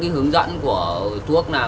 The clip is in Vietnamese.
hướng dẫn của thuốc nào